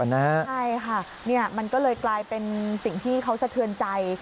ใช่ค่ะมันก็เลยกลายเป็นสิ่งที่เขาสะเทือนใจ